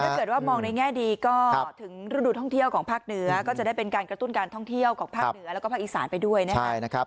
ถ้าเกิดว่ามองในแง่ดีก็ถึงฤดูท่องเที่ยวของภาคเหนือก็จะได้เป็นการกระตุ้นการท่องเที่ยวของภาคเหนือแล้วก็ภาคอีสานไปด้วยนะครับ